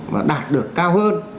và đạt được cao hơn